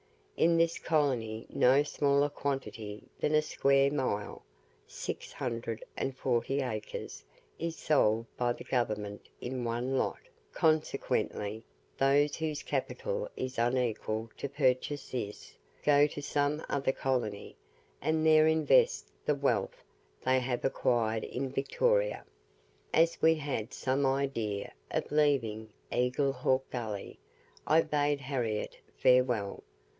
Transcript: In THIS colony no smaller quantity than a square mile 640 acres is sold by the Government in one lot; consequently, those whose capital is unequal to purchase this, go to some other colony, and there invest the wealth they have acquired in Victoria. As we had some idea of leaving Eagle Hawk Gully, I bade Harriette farewell.